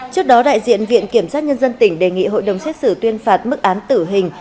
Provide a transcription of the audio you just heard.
trước đó đại diện viện kiểm sát nhân dân tỉnh đề nghị hội đồng xét xử tuyên phạt mức án tử hình